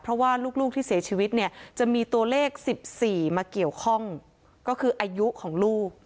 เพราะว่าลูกที่เสียชีวิตเนี่ยจะมีตัวเลข๑๔มาเกี่ยวข้องก็คืออายุของลูก